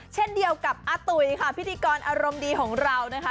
เช่นเดียวกับอาตุ๋ยค่ะพิธีกรอารมณ์ดีของเรานะคะ